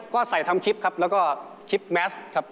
ก็ใส่ทำคลิปครับแล้วก็คลิปแมสครับ